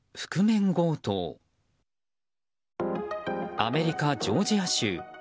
アメリカ・ジョージア州。